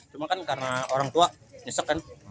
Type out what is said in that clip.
cuma kan karena orang tua nyesek kan